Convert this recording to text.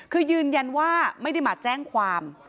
คือยืนยันว่าไม่ได้มาแจ้งความ